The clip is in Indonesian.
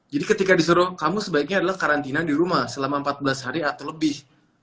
jadi ketika disuruh kamu sebaiknya adalah karantina di rumah selama empat belas hari atau lebih